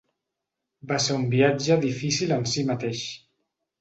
Va ser un viatge difícil en si mateix.